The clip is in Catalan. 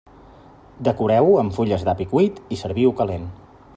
Decoreu-ho amb fulles d'api cuit i serviu-ho calent.